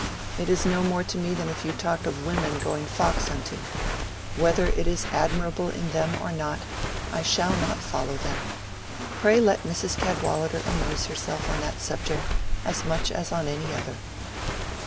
It is no more to me than if you talked of women going fox hunting: whether it is admirable in them or not, I shall not follow them. Pray let Mrs. Cadwallader amuse herself on that subject as much as on any other."